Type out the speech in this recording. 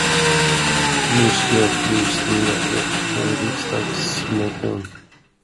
Nu skrev fru Stina Ek en riksdagsmotion.